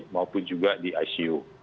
maupun juga di icu